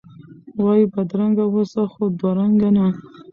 وایی بدرنګه اوسه، خو دوه رنګه نه!